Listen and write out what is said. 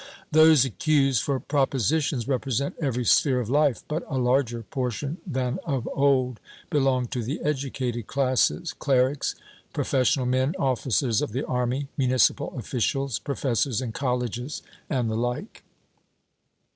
Those accused for propositions represent every sphere of life, but a larger portion than of old belong to the educated classes — clerics, professional men, officers of the army, municipal officials, professors in colleges and the like.